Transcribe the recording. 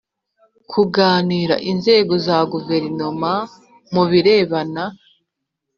kunganira inzego za Guverinoma mu birebana